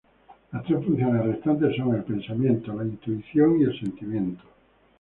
Las tres funciones restantes son el pensamiento, la intuición y el sentimiento.